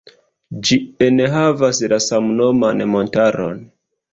Ĝi enhavas la samnoman montaron.